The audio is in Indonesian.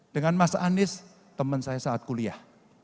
dengan mas anies teman saya saat kuliah